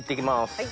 はい。